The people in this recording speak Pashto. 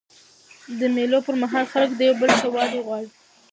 د مېلو پر مهال خلک د یو بل ښه والی غواړي.